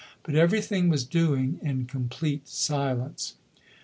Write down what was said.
But everything was doing in complete silence.